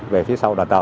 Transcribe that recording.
về phía sau đoàn tàu